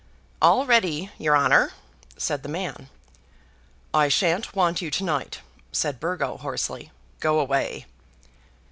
"All ready, your honour," said the man. "I shan't want you to night," said Burgo, hoarsely; "go away."